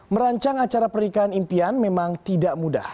merancang acara pernikahan impian memang tidak mudah